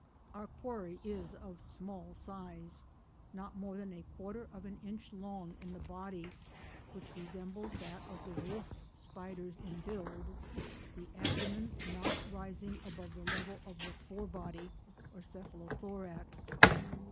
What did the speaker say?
] Our quarry is of small size, not more than a quarter of an inch long in the body, which resembles that of the wolf spiders in build, the abdomen not rising above the level of the fore body or cephalothorax.